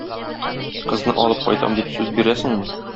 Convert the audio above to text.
Кызны алып кайтам дип сүз бирәсеңме?